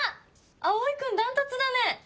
蒼君断トツだね！